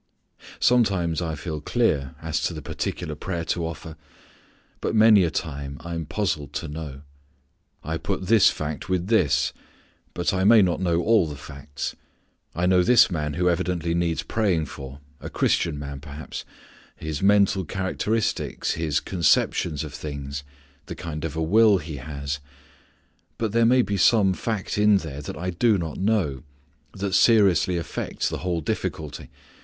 Sometimes I feel clear as to the particular prayer to offer, but many a time I am puzzled to know. I put this fact with this, but I may not know all the facts. I know this man who evidently needs praying for, a Christian man perhaps, his mental characteristics, his conceptions of things, the kind of a will he has, but there may be some fact in there that I do not know, that seriously affects the whole difficulty.